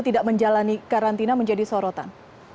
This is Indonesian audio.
tidak menjalani karantina menjadi sorotan